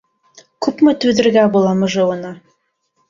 Күпме түҙергә була мыжыуына.